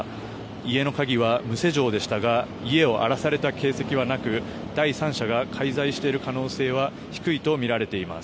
家の鍵は無施錠でしたが家を荒らされた形跡はなく第三者が介在している可能性は低いとみられています。